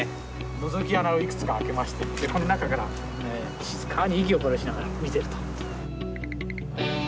のぞき穴をいくつか開けましてこの中から静かに息をこらしながら見てると。